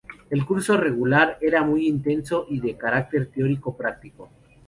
El curso regular era muy intenso y de carácter teórico práctico.